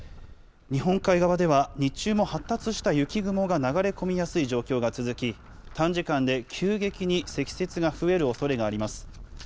日本海側では、日中も発達した雪雲が流れ込みやすい状況が続き、短時間で急激に積雪が増えるおそれがあります。